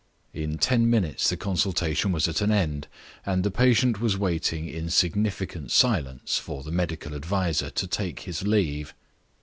In ten minutes the consultation was at an end, and the patient was waiting in significant silence for the medical adviser to take his leave.